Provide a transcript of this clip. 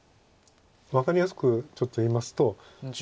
分かりやすくちょっと言いますと。